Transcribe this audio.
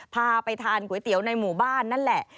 พาไปทานก๋วยเตี๋ยวในหมู่บ้านนั่นแหละ